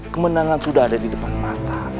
kemenangan sudah ada di depan mata